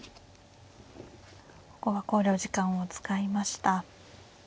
ここは考慮時間を使いました。